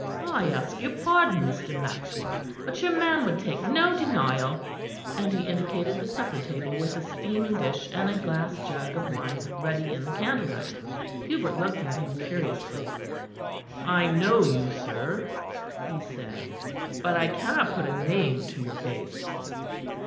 "I ask your pardon, Mr. Maxwell; but your man would take no denial," and he indicated the supper table with a steaming dish and a glass jug of wine ruddy in the candlelight. Hubert looked at him curiously. "I know you, sir," he said, "but I cannot put a name to your face."